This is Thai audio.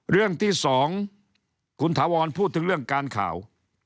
เรื่องที่๒คุณถาวรพูดถึงเรื่องการข่าว